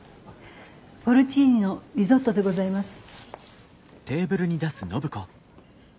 ポルチーニのリゾットでございます。